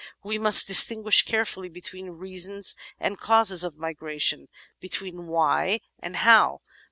We must distinguish carefully between reasons and causes of migration — ^between "why?" and "how?"